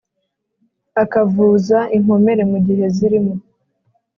akavuza inkomere mugihe zirimo